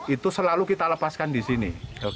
itu selalu kita lepaskan di sini